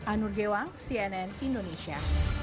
anur gewang cnn indonesia